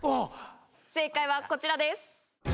正解はこちらです。